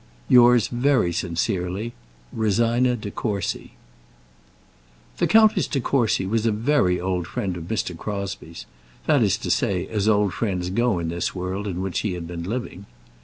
Yours very sincerely, ROSINA DE COURCY. The Countess De Courcy was a very old friend of Mr. Crosbie's; that is to say, as old friends go in the world in which he had been living.